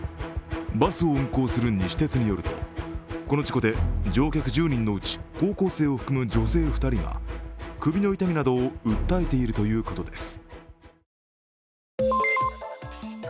バスを運行する西鉄によると、この事故で乗客１０人のうち高校生を含む女性２人が首の痛みなどを訴えているということです。